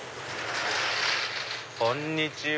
こんにちは。